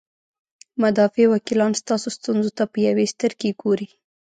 مدافع وکیلان ستاسو ستونزو ته په یوې سترګې ګوري.